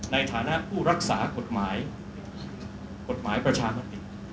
ในฐานะผู้รักษากฎหมายประชามติก